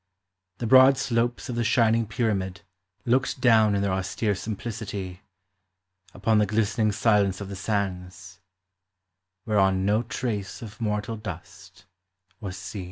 The broad slopes of the shining Pyramid Looked down in their austere simplicity Upon the glistening silence of the sands Whereon no trace of mortal dust was <,w\\.